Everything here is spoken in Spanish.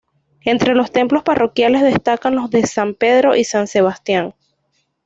Entre los templos parroquiales destacan los de San Pedro y San Sebastián.